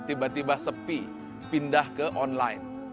tiba tiba sepi pindah ke online